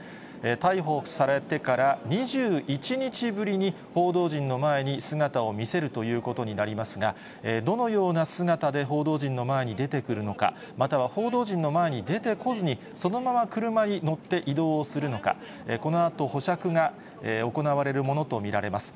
逮捕されてから２１日ぶりに報道陣の前に姿を見せるということになりますが、どのような姿で報道陣の前に出てくるのか、または報道陣の前に出てこずに、そのまま車に乗って移動をするのか、このあと、保釈が行われるものと見られます。